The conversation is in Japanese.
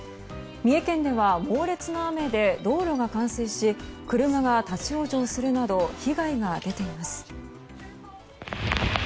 三重県では猛烈な雨で道路が冠水し車が立ち往生するなど被害が出ています。